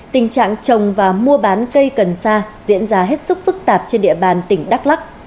tình trạng trồng và mua bán cây cần sa diễn ra hết sức phức tạp trên địa bàn tỉnh đắk lắc